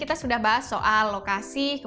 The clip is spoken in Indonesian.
iya sudah lama dari saya itu